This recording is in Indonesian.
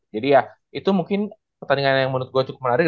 jadi ya itu mungkin pertandingan yang menurut gue cukup menarik